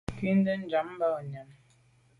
Nkù nde njam ba nyàm.